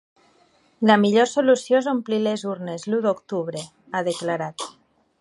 La millor solució és omplir les urnes l’u d’octubre, ha declarat.